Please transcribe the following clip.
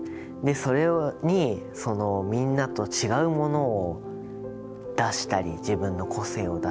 それにみんなと違うものを出したり自分の個性を出したり。